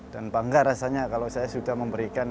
dan bangga rasanya kalau saya sudah memberikan